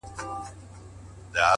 لوړې موخې ژور تمرکز غواړي؛